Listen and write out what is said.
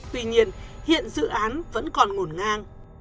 tuy nhiên hiện dự án vẫn còn ngổn ngang